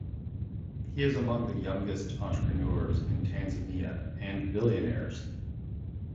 He is among the youngest entrepreneurs in Tanzania and billionaires.